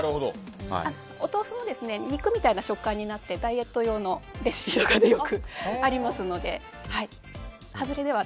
お豆腐も肉みたいな食感になってダイエット用のレシピではよくありますので。